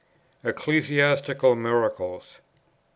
ECCLESIASTICAL MIRACLES.